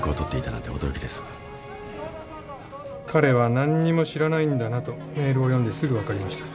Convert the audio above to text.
彼は何にも知らないんだなとメールを読んですぐ分かりました。